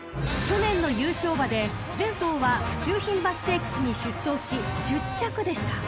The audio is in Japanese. ［去年の優勝馬で前走は府中牝馬ステークスに出走し１０着でした］